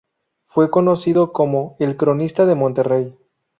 Fue conocido como "El cronista de Monterrey".